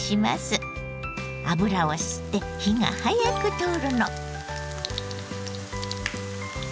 油を吸って火が早く通るの。